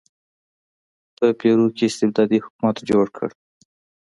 په پیرو کې استبدادي حکومت جوړ کړ.